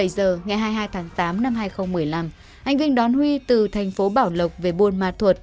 bảy giờ ngày hai mươi hai tháng tám năm hai nghìn một mươi năm anh vinh đón huy từ thành phố bảo lộc về buôn ma thuột